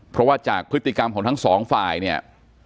เพราะว่าจากพฤติกรรมของทั้งสองฝ่ายเนี่ย